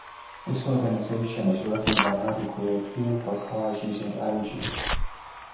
This organization is working on how to create fuel for cars using algae.